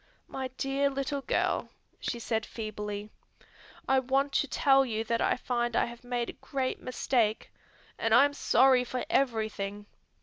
"My dear little girl," she said feebly, "I want to tell you that I find I have made a great mistake, and I am sorry for everything.